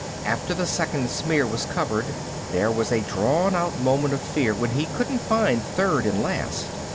After the second smear was covered there was a drawn out moment of fear when he couldn't find the third and last.